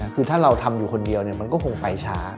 คือถ้าเราทำอยู่คนเดียวมันก็คงไปช้า